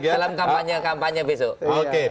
dalam kampanye besok